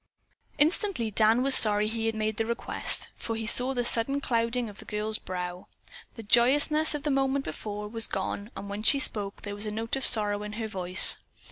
Instantly Dan was sorry he had made the request, for he saw the sudden clouding of the girl's brow. The joyousness of the moment before was gone and when she spoke there was a note of sorrow in her voice.